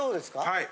はい。